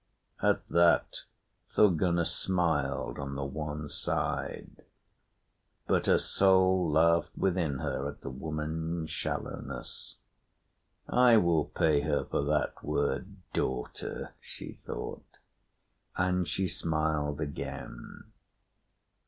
At that Thorgunna smiled on the one side; but her soul laughed within her at the woman's shallowness. "I will pay her for that word daughter," she thought, and she smiled again.